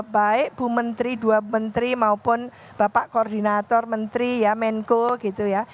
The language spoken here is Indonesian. baik bu menteri dua menteri maupun bapak koordinator menteri ya menko gitu ya